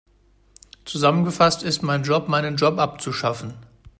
Zusammengefasst ist mein Job, meinen Job abzuschaffen.